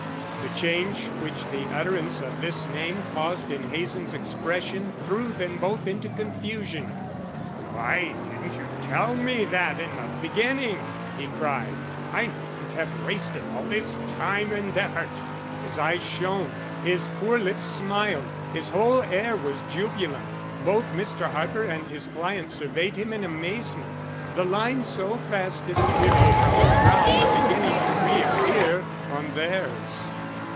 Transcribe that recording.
The change which the utterance of this name caused in Hazen's expression threw them both into confusion. "Why didn't you tell me that in the beginning?" he cried. "I needn't have wasted all this time and effort." His eyes shone, his poor lips smiled, his whole air was jubilant. Both Mr. Harper and his client surveyed him in amazement. The lines so fast disappearing from his brow were beginning to reappear on theirs.